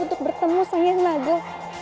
untuk bertemu sayang lagu